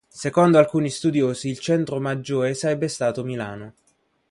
Secondo alcuni studiosi il centro maggiore sarebbe stato Milano.